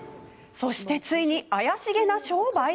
そしてついに、怪しげな商売？